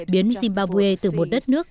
biến zimbabwe từ một đất nước